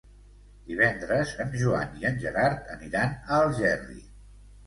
Divendres en Joan i en Gerard aniran a Algerri.